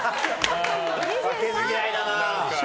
負けず嫌いだな。